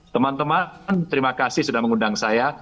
teman teman terima kasih sudah mengundang saya